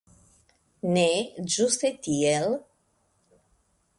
Ne, ĝuste tiel.